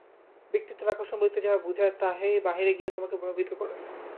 ব্যক্তিত্বের আকর্ষণ বলিতে যাহা বুঝায়, তাহাই বাহিরে গিয়া তোমাকে প্রভাবিত করে।